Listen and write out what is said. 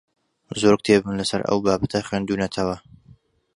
زۆر کتێبم لەسەر ئەو بابەتە خوێندوونەتەوە.